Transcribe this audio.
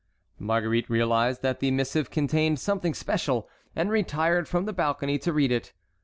Marguerite realized that the missive contained something special, and retired from the balcony to read it.